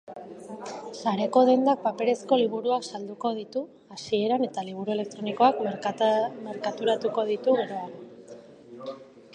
Sareko dendak paperezko liburuak salduko ditu hasieran eta liburu elektronikoak merkaturatuko ditu geroago.